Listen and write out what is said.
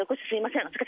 すみません